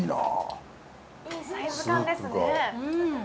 いいサイズ感ですね